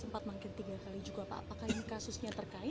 semua akan kita ikuti nanti nanti kita akan mencari jawaban yang berbeda